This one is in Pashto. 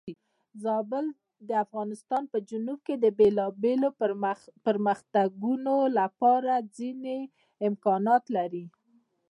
زابل د افغانستان په جنوب کې د بېلابېلو پرمختګونو لپاره ځینې امکانات لري.